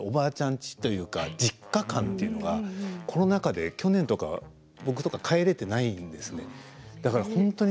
家というか実家感というのかコロナ禍で去年とか僕とか帰れていないんですね。